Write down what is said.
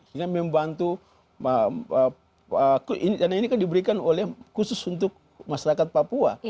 ini dana ini kan diberikan khusus untuk masyarakat papua